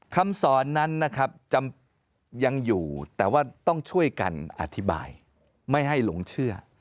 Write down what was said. คำสอนนั้นนะครับยังอยู่แต่ว่าต้องช่วยกันอธิบายไม่ให้หลงเชื่อ